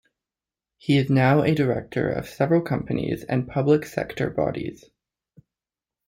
He is now a director of several companies and public sector bodies.